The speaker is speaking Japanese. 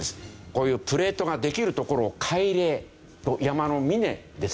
こういうプレートができる所を海嶺山の嶺ですね。